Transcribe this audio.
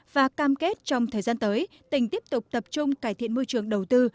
và cam kết trong thời gian tới tỉnh tiếp tục tập trung cải thiện môi trường đầu tư